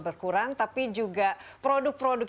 berkurang tapi juga produk produk